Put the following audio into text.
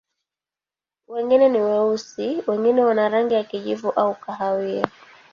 Wengine ni weusi, wengine wana rangi ya kijivu au kahawia.